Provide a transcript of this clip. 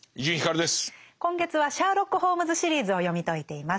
今月は「シャーロック・ホームズ・シリーズ」を読み解いています。